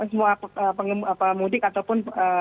semua mudik ataupun